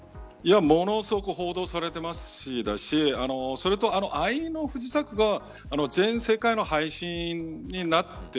ものすごく報道されていましたしそれと愛の不時着が全世界の配信になって